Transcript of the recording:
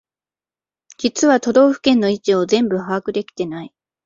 実は都道府県の位置を全部把握できてない